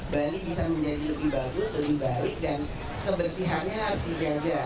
bali bisa menjadi lebih bagus lebih baik dan kebersihannya harus dijaga